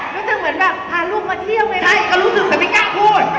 รู้สึกแต่ไม่สู้พูด